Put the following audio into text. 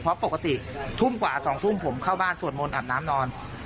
เพราะปกติทุ่มกว่า๒ทุ่มผมเข้าบ้านสวดมนต์อาบน้ำนอน